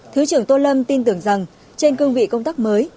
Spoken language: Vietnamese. thứ trưởng tô lâm tin tưởng rằng trên cương vị công tác mới